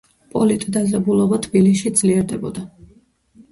პოლიტ დაძაბულობა თბილისში ძლიერდებოდა.